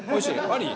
あり？